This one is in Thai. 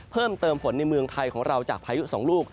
เพิ่มเติมฝนในเมืองไทยของเราจากพายุสองลูก